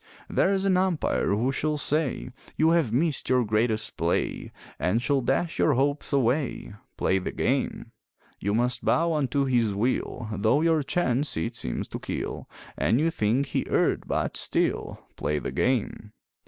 There's an umpire who shall say You have missed your greatest play, And shall dash your hopes away Play the game! You must bow unto his will Though your chance it seems to kill, And you think he erred, but still Play the game!